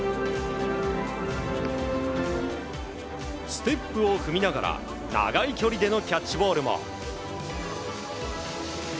ステップを踏みながら長い距離でのキャッチボールも。